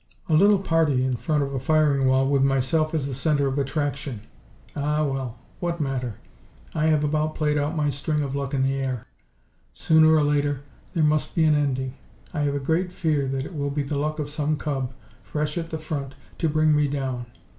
"A little party in front of a firing wall with myself as the center of attraction. Ah, well! What matter. I have about played out my string of luck in the air. Sooner or later, there must be an ending. I have a great fear that it will be the luck of some cub, fresh at the front, to bring me down.